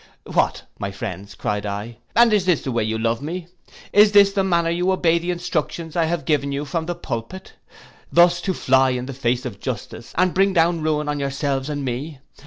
'What! my friends,' cried I, 'and is this the way you love me! Is this the manner you obey the instructions I have given you from the pulpit! Thus to fly in the face of justice, and bring down ruin on yourselves and me!